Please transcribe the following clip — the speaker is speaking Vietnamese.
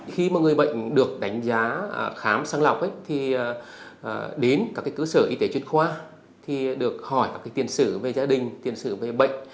khi mà người bệnh được đánh giá khám sàng lọc thì đến các cơ sở y tế chuyên khoa thì được hỏi các tiền sử về gia đình tiền sử về bệnh